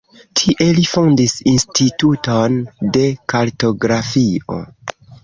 Tie li fondis instituton de kartografio.